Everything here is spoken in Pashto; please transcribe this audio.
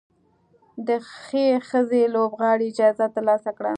د ښې ښځینه لوبغاړې جایزه ترلاسه کړه